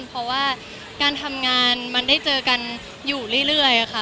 เพราะว่าการทำงานมันได้เจอกันอยู่เรื่อยค่ะ